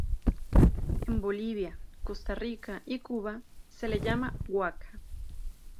En Bolivia, Costa Rica y Cuba, se le llama huaca.